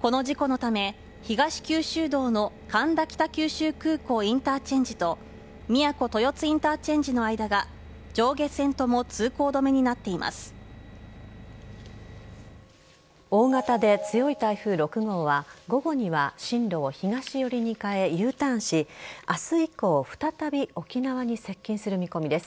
この事故のため東九州道の苅田北九州空港インターチェンジとみやこ豊津インターチェンジの間が上下線とも大型で強い台風６号は午後には進路を東寄りに変えＵターンし明日以降再び沖縄に接近する見込みです。